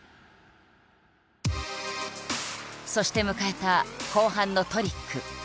そして迎えた後半のトリック。